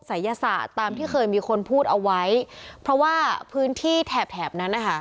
ศัยศาสตร์ตามที่เคยมีคนพูดเอาไว้เพราะว่าพื้นที่แถบแถบนั้นนะคะ